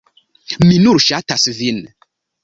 Mi nur ŝatas vin!